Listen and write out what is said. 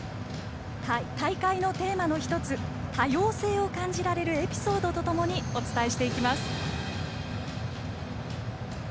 大会のテーマの１つ「多様性」を感じられるエピソードとともにお伝えしていきます。